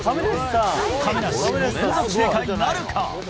亀梨、５連続正解なるか。